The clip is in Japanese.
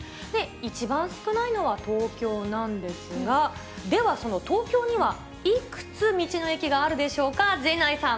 一番少ないのは東京なんですが、ではその東京には、いくつ道の駅があるでしょうか、陣内さん。